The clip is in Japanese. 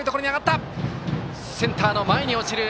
センターの前に落ちる。